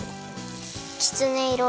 きつねいろ。